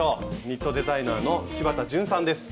ニットデザイナーの柴田淳さんです。